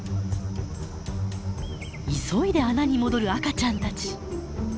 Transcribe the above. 急いで穴に戻る赤ちゃんたち。